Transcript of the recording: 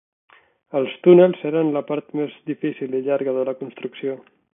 Els túnels eren la part més difícil i llarga de la construcció.